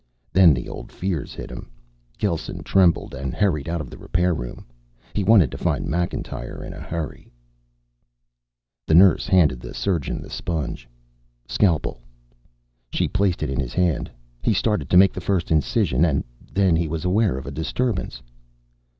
Then the old fears hit him. Gelsen trembled and hurried out of the repair room. He wanted to find Macintyre in a hurry. The nurse handed the surgeon the sponge. "Scalpel." She placed it in his hand. He started to make the first incision. And then he was aware of a disturbance.